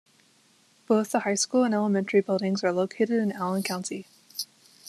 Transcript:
Both the high school and elementary buildings are located in Allen County.